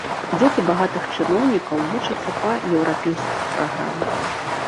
Дзеці багатых чыноўнікаў вучацца па еўрапейскіх праграмах.